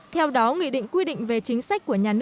theo đó nghị định quy định về chính sách của nhà nước